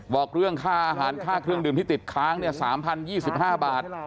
บอกเรื่องค่าอาหารค่าเครื่องดื่มที่ติดค้าง๓๐๒๕บาท